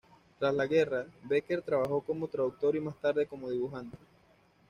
Tras la Guerra, Becker trabajó como traductor y más tarde como dibujante.